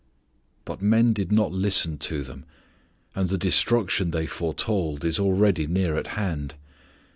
But men did not listen to them, and the destruction they foretold is already near at hand.